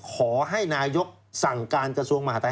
ขอให้นายกสั่งการกระทรวงมหาธัย